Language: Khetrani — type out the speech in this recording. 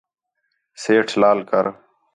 سیٹھ لال کر